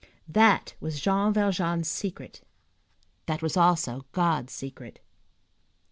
That was Jean Valjean's secret; that was also God's secret.